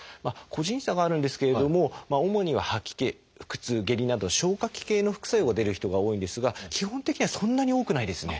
個人差があるんですけれども主には吐き気腹痛下痢など消化器系の副作用が出る人が多いんですが基本的にはそんなに多くないですね。